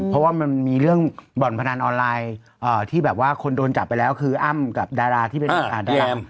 เพราะว่ามันมีเรื่องบ่อนพนันออนไลน์ที่แบบว่าคนโดนจับไปแล้วคืออ้ำกับดาราที่เป็นแรม